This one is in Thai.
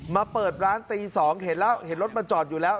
มาเปิดร้านตี๒เห็นรถมาจอดอยู่แล้ว